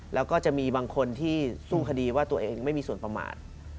แล้วก็จะมีบางคนที่สู้คดีว่าตัวเองไม่มีส่วนประมาท